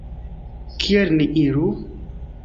Kiel ni iru?